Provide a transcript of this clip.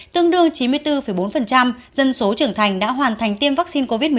tương đương chín mươi bốn bốn dân số trưởng thành đã hoàn thành tiêm vaccine covid một mươi chín